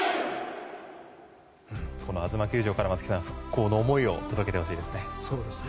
このあづま球場から松木さん、復興の思いを届けてほしいですね。